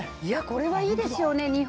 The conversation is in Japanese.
これはいいですね。